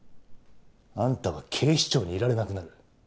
あんたは警視庁にいられなくなる。